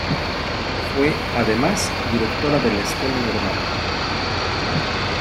Fue, además, Directora de la Escuela Normal.